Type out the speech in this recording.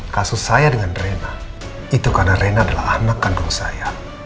kasus saya dengan rena itu karena rena adalah anak kandung saya